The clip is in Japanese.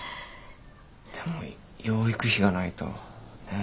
でも養育費がないとねえ